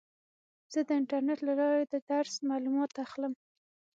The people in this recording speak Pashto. زه د انټرنیټ له لارې د درس معلومات اخلم.